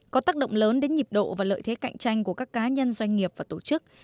có tác động lớn đến nhịp độ và lợi thế cạnh tranh của các cá nhân doanh nghiệp và tổ chức